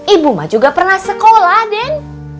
ibu mah juga pernah sekolah den